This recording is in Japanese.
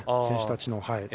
選手たちの。